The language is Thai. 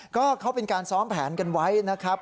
ก็เขาเป็นการซ้อมแผนกันไว้นะครับ